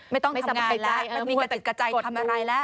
ไม่ต้องทำงานแล้วไม่มีกระติกกระใจทำอะไรแล้ว